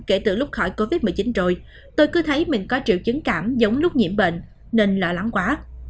kể từ lúc khỏi covid một mươi chín rồi tôi cứ thấy mình có triệu chứng cảm giống lúc nhiễm bệnh nên lỡ lắng quá